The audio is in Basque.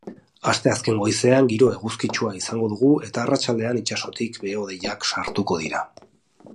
Asteazken goizean giro eguzkitsua izango dugu eta arratsaldean itsasotik behe-hodeiak sartuko dira.